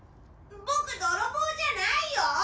僕泥棒じゃないよ。